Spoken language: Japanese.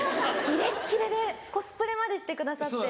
キレッキレでコスプレまでしてくださって。